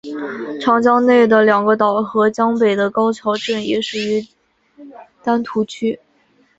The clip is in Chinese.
长江内的两个岛和江北的高桥镇也属于丹徒区。